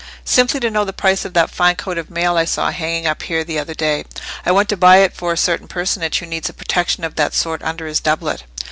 "Simply to know the price of that fine coat of mail I saw hanging up here the other day. I want to buy it for a certain personage who needs a protection of that sort under his doublet."